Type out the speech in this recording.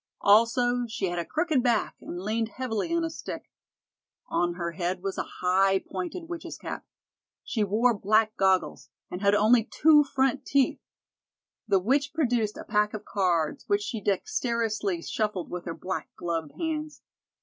Also, she had a crooked back and leaned heavily on a stick. On her head was a high pointed witch's cap. She wore black goggles, and had only two front teeth. The witch produced a pack of cards which she dexterously shuffled with her black gloved hands.